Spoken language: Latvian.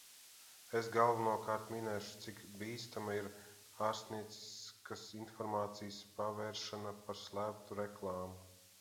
Es galvenokārt minēšu, cik bīstama ir ārstnieciskas informācijas pārvēršana par slēptu reklāmu.